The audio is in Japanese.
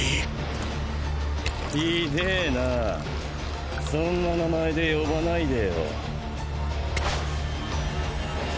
酷えなァそんな名前で呼ばないでよ。